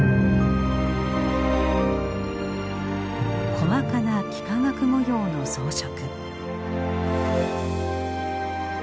細かな幾何学模様の装飾。